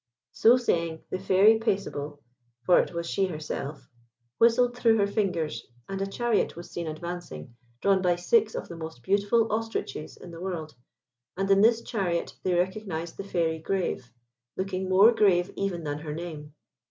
So saying, the Fairy Paisible (for it was she herself) whistled through her fingers, and a chariot was seen advancing, drawn by six of the most beautiful ostriches in the world, and in this chariot they recognised the Fairy Grave, looking more grave even than her name.